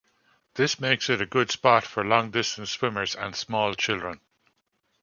This makes it a good spot for long-distance swimmers and small children.